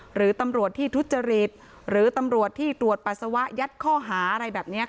หรือตำรวจที่ทุจริตหรือตำรวจที่ตรวจปัสสาวะยัดข้อหาอะไรแบบนี้